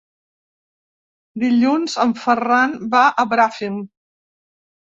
Dilluns en Ferran va a Bràfim.